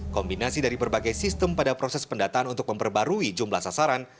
kombinasi dari berbagai sistem pada proses pendataan untuk memperbarui jumlah sasaran